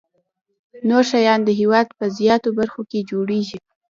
نور شیان د هېواد په زیاتو برخو کې جوړیږي.